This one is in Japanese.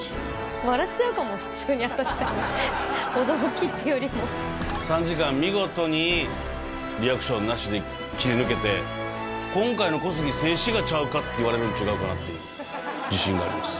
笑っちゃうかも、３時間、見事にリアクションなしで切り抜けて、今回の小杉、静止画ちゃうかって言われるんちがうかっていう自信があります。